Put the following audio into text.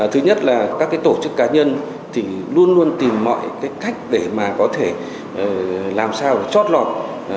thứ nhất là các tổ chức cá nhân luôn luôn tìm mọi cách để làm sao chót lọt